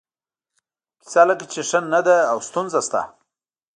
کیسه لکه چې ښه نه ده او ستونزه شته.